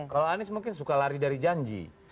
kalau anies mungkin suka lari dari janji